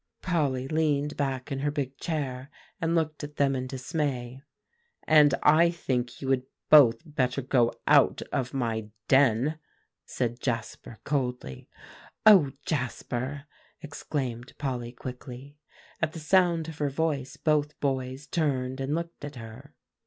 Polly leaned back in her big chair, and looked at them in dismay. "And I think you would both better go out of my den," said Jasper coldly. "O Jasper!" exclaimed Polly quickly. At the sound of her voice both boys turned and looked at her.